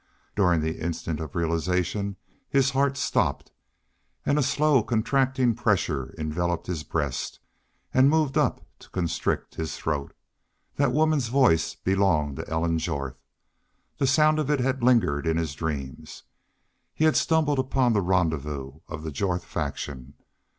During the instant of realization his heart stopped. And a slow, contracting pressure enveloped his breast and moved up to constrict his throat. That woman's voice belonged to Ellen Jorth. The sound of it had lingered in his dreams. He had stumbled upon the rendezvous of the Jorth faction.